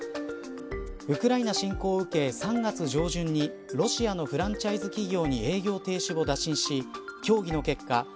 ウクライナ侵攻を受け３月上旬にロシアのフランチャイズ企業に営業停止を打診し協議の結果